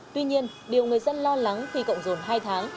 tuy nhiên điều người dân lo lắng khi cộng dồn hai tháng